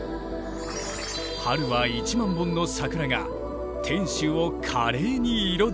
春は１万本の桜が天守を華麗に彩るのだ。